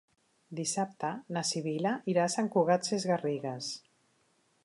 Dissabte na Sibil·la irà a Sant Cugat Sesgarrigues.